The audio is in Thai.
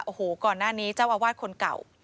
โอ้โหก่อนหน้านี้เจ้าอาวาสคนเก่า